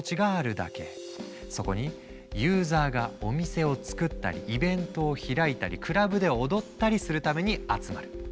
そこにユーザーがお店を作ったりイベントを開いたりクラブで踊ったりするために集まる。